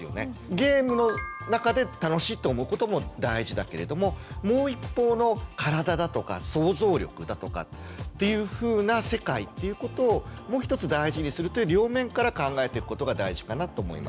ゲームの中で楽しいと思うことも大事だけれどももう一方の体だとか想像力だとかっていうふうな世界っていうことをもう一つ大事にするという両面から考えていくことが大事かなと思います。